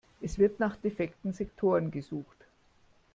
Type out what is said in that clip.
Es wird nach defekten Sektoren gesucht.